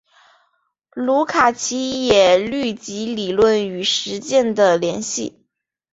卢卡奇也虑及理论与实践的联系。